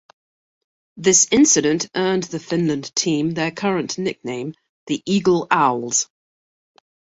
This incident earned the Finland team their current nickname, The Eagle Owls.